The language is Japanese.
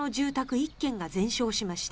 １軒が全焼しました。